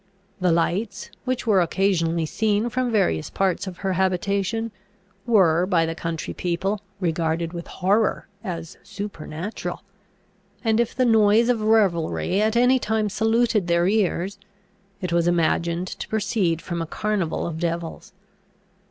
The lights which were occasionally seen from various parts of her habitation, were, by the country people, regarded with horror as supernatural; and if the noise of revelry at any time saluted their ears, it was imagined to proceed from a carnival of devils.